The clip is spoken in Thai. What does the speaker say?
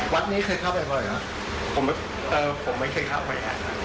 วัดนี้เคยเข้าไปก่อนหรือฮะผมไม่เคยเข้าไปค่ะ